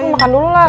makan dulu lah